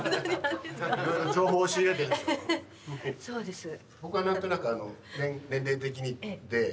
そうです。